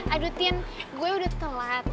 aduh tien gue udah telat